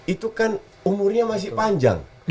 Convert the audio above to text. itu kan umurnya masih panjang